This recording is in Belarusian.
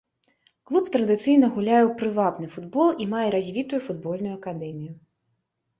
Клуб традыцыйна гуляе ў прывабны футбол і мае развітую футбольную акадэмію.